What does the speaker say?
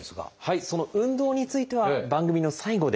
その運動については番組の最後でお伝えします。